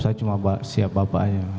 saya cuma siap bapak aja